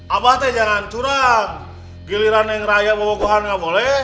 abah teh jangan curang giliran yang raya bawa bawaan gak boleh